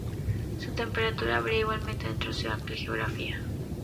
Su temperatura varía igualmente dentro de su amplia geografía.